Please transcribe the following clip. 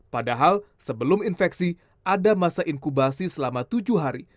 padahal sebelum infeksi ada masa inkubasi selama tujuh hari